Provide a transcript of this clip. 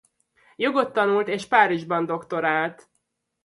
Jogot tanult és Párizsban doktorált.